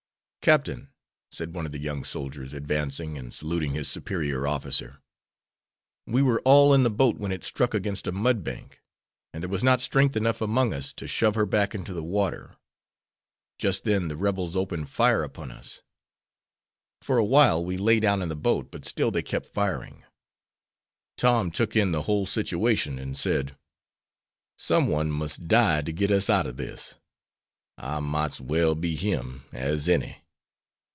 "Captain," said one of the young soldiers, advancing and saluting his superior officer, "we were all in the boat when it struck against a mud bank, and there was not strength enough among us to shove her back into the water. Just then the Rebels opened fire upon us. For awhile we lay down in the boat, but still they kept firing. Tom took in the whole situation, and said: 'Someone must die to get us out of this. I mought's well be him as any.